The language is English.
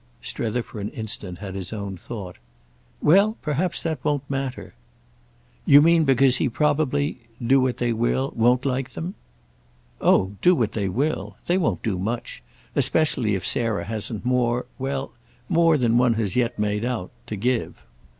Strether for an instant had his own thought. "Well perhaps that won't matter!" "You mean because he probably—do what they will—won't like them?" "Oh 'do what they will'—! They won't do much; especially if Sarah hasn't more—well, more than one has yet made out—to give."